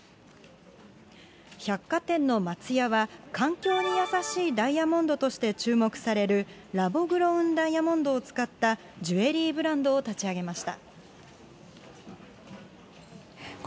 百貨店の松屋は、環境に優しいダイヤモンドとして注目されるラボグロウンダイヤモンドを使ったジュエリーブランドを立ち上げました。